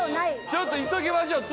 ちょっと急ぎましょう。